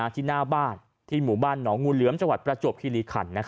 ที่หน้าบ้านที่หมู่บ้านหนองูเหลือมจประจบทิริคัน